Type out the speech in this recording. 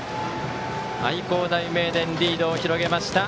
愛工大名電、リードを広げました。